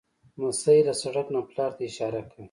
لمسی له سړک نه پلار ته اشاره کوي.